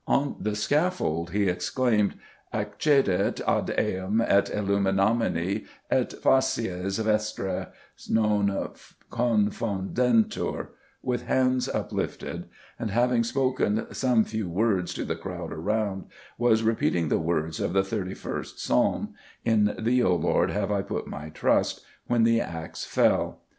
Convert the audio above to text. On the scaffold he exclaimed, "Accedite ad eum et illuminamini, et facies vestræ non confundentur," with hands uplifted, and, having spoken some few words to the crowd around, was repeating the words of the Thirty first Psalm, "In thee, O Lord, have I put my trust," when the axe fell.